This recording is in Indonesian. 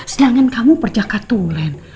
sedangkan kamu perjakat turen